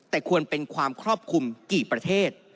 แต่ควรเป็นความครอบคลุมกี่ประเทศ